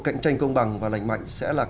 cạnh tranh công bằng và lành mạnh sẽ là